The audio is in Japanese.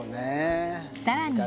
さらに。